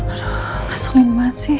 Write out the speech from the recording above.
aduh keselin banget sih